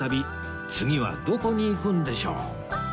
次はどこに行くんでしょう？